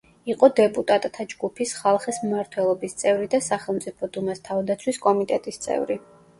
იყო დეპუტატთა ჯგუფის, „ხალხის მმართველობის“ წევრი და სახელმწიფო დუმას თავდაცვის კომიტეტის წევრი.